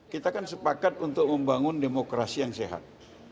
kita kan sepakat untuk membangun demokrasi yang sehat